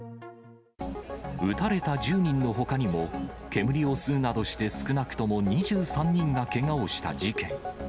撃たれた１０人のほかにも、煙を吸うなどして少なくとも２３人がけがをした事件。